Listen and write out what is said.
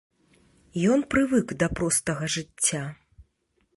Ён прывык да простага жыцця.